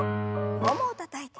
ももをたたいて。